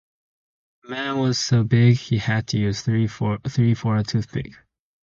The man was so big, he had to use a tree for a toothpick.